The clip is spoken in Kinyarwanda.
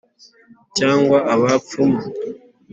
cyangwa abapfumu)